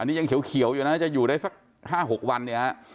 นี่ยังเขียวอยู่นะจะอยู่ได้สัก๕๖วันเนี่ยฮะ